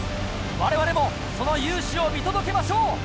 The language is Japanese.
われわれもその雄姿を見届けましょう。